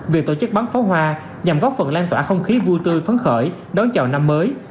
việc tổ chức bắn pháo hoa nhằm góp phần lan tỏa không khí vui tươi phấn khởi đón chào năm mới